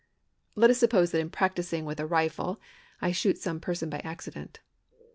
Let us suppose that in practising with a rifle I shoot some person by accident.